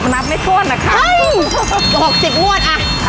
นับไม่ทวนนะคะเฮ้ยหกสิบงวดอะ